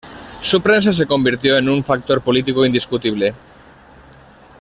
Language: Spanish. Su prensa se convirtió en un factor político indiscutible.